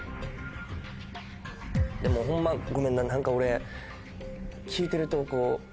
でもホンマごめんな何か俺聞いてると。